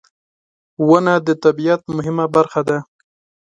• ونه د طبیعت مهمه برخه ده.